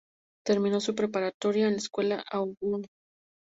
Terminó su preparatoria en la escuela Auburn.